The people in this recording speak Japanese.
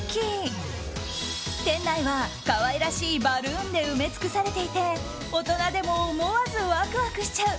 店内は可愛らしいバルーンで埋め尽くされていて大人でも思わずワクワクしちゃう